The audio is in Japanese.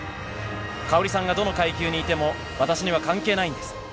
馨さんがどの階級にいても、私には関係ないんです。